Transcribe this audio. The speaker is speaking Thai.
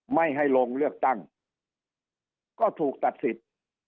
ไม่ให้ลงเลือกตั้งก็ถูกตัดสิทธิ์